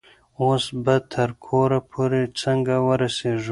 اوس به تر کوره پورې څنګه ورسیږي؟